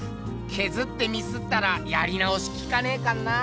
削ってミスったらやり直しきかねえかんなあ。